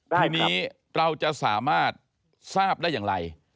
ทีนี้เราจะสามารถทราบได้อย่างไร